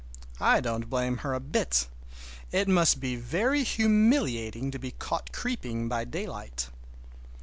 I don't blame her a bit. It must be very humiliating to be caught creeping by daylight!